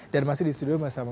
dan masih disuduhi sama